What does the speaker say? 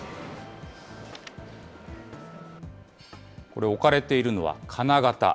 これ、置かれているのは金型。